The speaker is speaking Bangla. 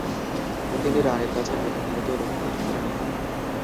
তিনি রানির কাছে প্রথম ভারতীয় ব্যক্তিগত কেরানি হন।